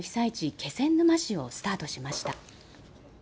気仙沼市をスタートしました。